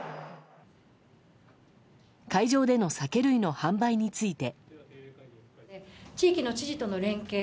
会場での酒類の販売について。